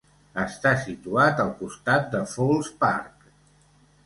Està situat al costat de Falls Park.